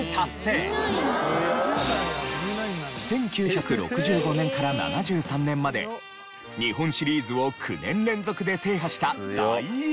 １９６５年から７３年まで日本シリーズを９年連続で制覇した大偉業！